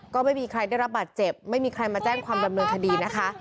ก็ไม่มีใครได้รับบาดเจ็บไม่มีใครมาแจ้งความดำเนินคดีนะคะ